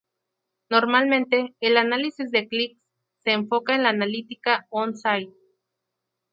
Normalmente, el análisis de clics se enfoca en la analítica on-site.